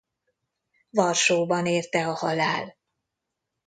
Varsóban érte a halál.